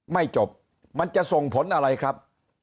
ไม่จบมันจะส่งผลอะไรครับ